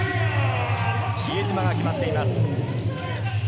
比江島が、決まっています。